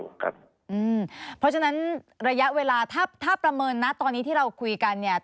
เพราะฉะนั้นระยะเวลาถ้าประเมินนะตอนนี้ที่เราคุยกันเนี่ย